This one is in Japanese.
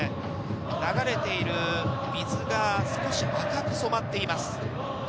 流れている水が少し赤く染まっています。